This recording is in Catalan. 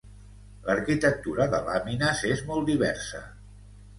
L'arquitectura de làmines és molt diversa.